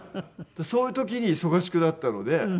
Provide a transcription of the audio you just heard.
そういう時に忙しくなったので。